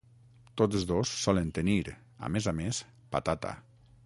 Tots dos solen tenir, a més a més, patata.